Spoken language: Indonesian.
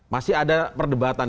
masih ada perdebatan